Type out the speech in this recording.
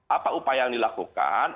apa upaya yang dilakukan